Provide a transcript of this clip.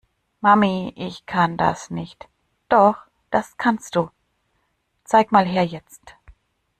Mami, ich kann das nicht. Doch, das kannst du. Zeig mal her jetzt.